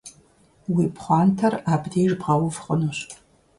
Уи пхъуантэр абдеж бгъэув хъунущ.